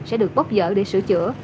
sẽ được bóp dở để sửa chữa